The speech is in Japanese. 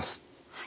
はい。